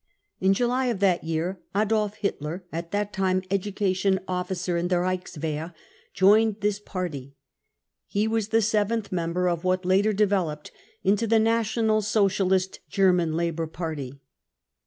In July of that year Adolf .Hitler, at that time 44 Education Officer 55 in the Reichswehr, joined this party. He was the seventh member of what later devel oped into the National Socialist German Labour Party.